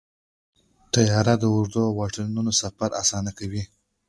طیاره د اوږدو واټنونو سفر اسانه کوي.